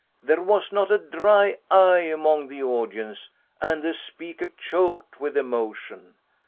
There was not a dry eye among the audience, and the speaker choked with emotion.